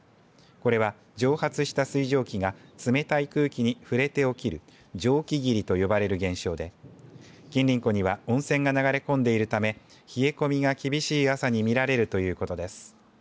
これは、蒸発した水蒸気が冷たい空気に触れて起きる蒸気霧と呼ばれる現象で金鱗湖には温泉が流れ込んでいるため冷え込みが厳しい朝に見られるということです。